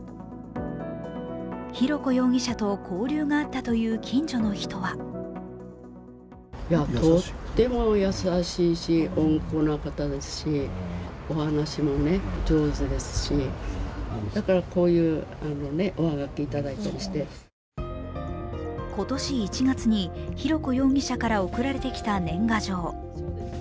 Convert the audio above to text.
浩子容疑者と交流があったという近所の人は今年１月に浩子容疑者から送られてきた年賀状。